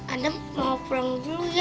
adam mau pulang dulu ya